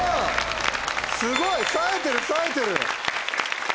すごい！さえてるさえてる。